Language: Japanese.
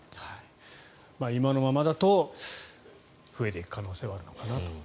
今のままだと増えていく可能性はあるのかなと。